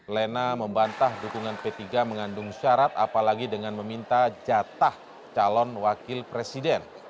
lena membantah dukungan p tiga mengandung syarat apalagi dengan meminta jatah calon wakil presiden